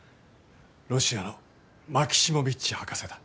ロシアのマキシモヴィッチ博士だ。